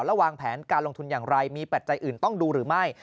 และวางแผนการลงทุนอย่างไรมีปัจจัยอื่นต้องดูหรือไม่